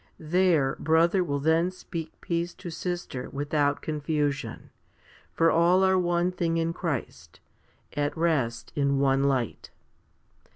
There brother will then speak peace to sister without confusion, for all are one thing in Christ, at rest in one light.